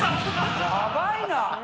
やばいな。